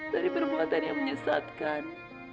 dari perbuatan yang menyesatkan